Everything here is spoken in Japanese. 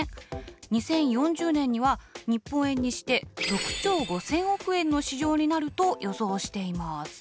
２０４０年には日本円にして６兆５，０００億円の市場になると予想しています。